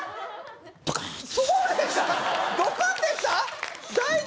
そうでした？